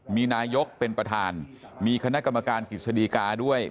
มีนายกเป็นประธานมีคณะกรรมการกิจสดีกาด้วย